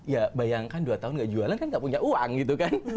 ya bayangkan dua tahun gak jualan kan nggak punya uang gitu kan